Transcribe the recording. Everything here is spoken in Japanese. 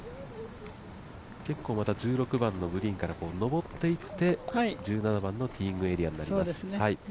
結構また１６番のグリーンから上っていって１７番のティーイングエリアになります。